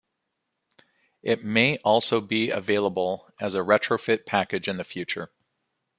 It may also be available as a retrofit package in the future.